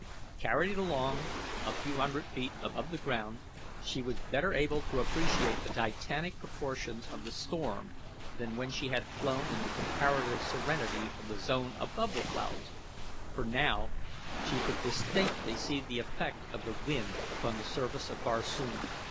Carried along a few hundred feet above the ground she was better able to appreciate the Titanic proportions of the storm than when she had flown in the comparative serenity of the zone above the clouds, for now she could distinctly see the effect of the wind upon the surface of Barsoom.